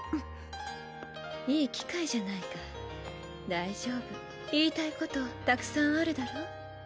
いい機会じゃないか大丈夫言いたいことたくさんあるだろう？